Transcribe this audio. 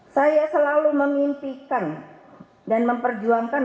saya selalu memimpikan dan memperjuangkan